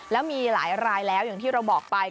แล้วมีหลายรายแล้วอย่างที่เราบอกไป